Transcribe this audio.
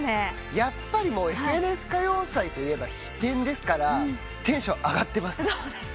やっぱり『ＦＮＳ歌謡祭』といえば飛天ですからテンション上がってます。